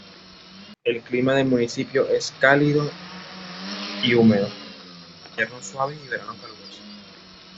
El clima del municipio es cálido y húmedo, con inviernos suaves y veranos calurosos.